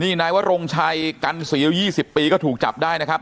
นี่นายวรงชัยกันศรีอายุ๒๐ปีก็ถูกจับได้นะครับ